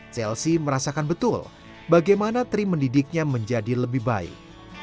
chelsea merasakan betul bagaimana tri mendidiknya menjadi lebih baik